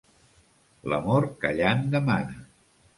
L'amor callant demana.